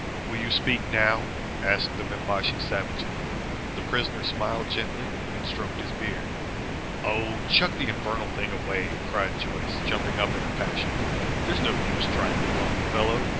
"Will you speak now?" asked the Bimbashi, savagely. The prisoner smiled gently and stroked his beard. "Oh, chuck the infernal thing away!" cried Joyce, jumping up in a passion. "There's no use trying to bluff the fellow.